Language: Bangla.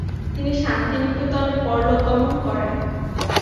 তিনি শান্তিনিকেতনে পরলোকগমন করেন।